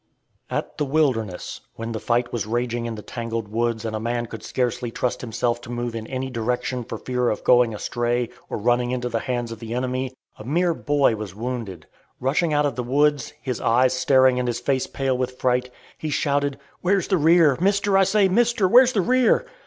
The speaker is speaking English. At the Wilderness, when the fight was raging in the tangled woods and a man could scarcely trust himself to move in any direction for fear of going astray or running into the hands of the enemy, a mere boy was wounded. Rushing out of the woods, his eyes staring and his face pale with fright, he shouted, "Where's the rear. Mister! I say, Mister! where's the rear?"